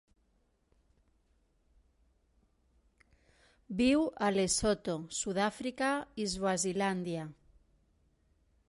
Viu a Lesotho, Sud-àfrica i Swazilàndia.